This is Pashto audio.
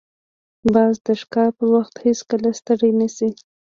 باز د ښکار پر وخت هیڅکله ستړی نه شي